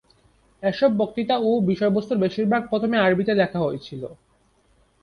এসব বক্তৃতা ও বিষয়বস্তুর বেশিরভাগ প্রথমে আরবিতে লেখা হয়েছিল।